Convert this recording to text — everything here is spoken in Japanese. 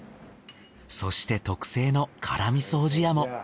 そして特製の辛味噌おじやも。